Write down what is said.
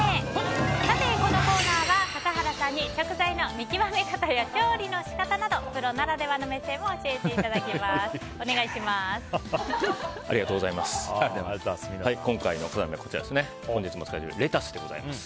このコーナーは笠原さんに食材の見極め方や調理の仕方などプロならではの目線をありがとうございます。